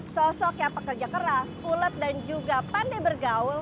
sosok yang pekerja keras pulet dan juga pandai bergaul